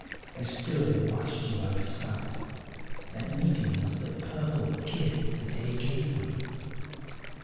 I stood and watched you out of sight. That meeting was the purple gift the day gave me.